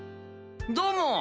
どうも！